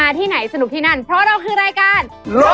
สวัสดีมากขอบคุณ